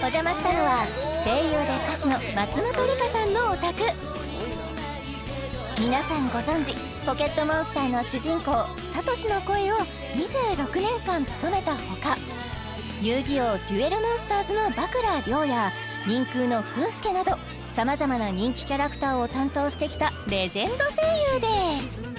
お邪魔したのは声優で歌手の松本梨香さんのお宅皆さんご存じ「ポケットモンスター」の主人公サトシの声を２６年間務めたほか「遊☆戯☆王デュエルモンスターズ」の獏良了や「ＮＩＮＫＵ−忍空−」の風助など様々な人気キャラクターを担当してきたレジェンド声優です